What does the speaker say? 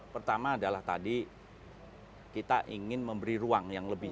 pertama adalah tadi kita ingin memberi ruang yang lebih